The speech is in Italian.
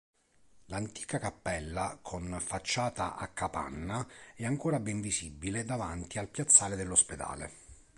L'antica cappella, con facciata a capanna, è ancora ben visibile davanti al piazzale dell'ospedale.